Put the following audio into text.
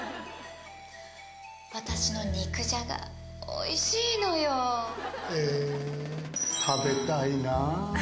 私の肉じゃがおいしいのよ。へ食べたいな。